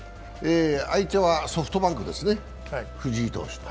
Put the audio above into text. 相手はソフトバンクですね、藤井投手。